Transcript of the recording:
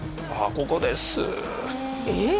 ここですええっ？